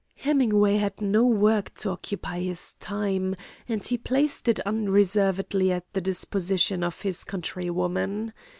Hemingway had no work to occupy his time, and he placed it unreservedly at the disposition of his countrywoman.